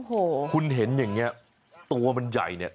โอ้โหคุณเห็นอย่างนี้ตัวมันใหญ่เนี่ย